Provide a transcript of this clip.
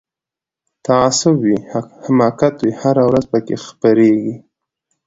تعصب وي حماقت وي هره ورځ پکښی خپریږي